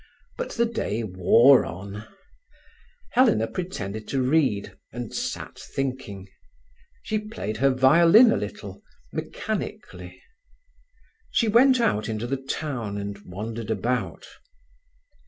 But the day wore on. Helena pretended to read, and sat thinking. She played her violin a little, mechanically. She went out into the town, and wandered about.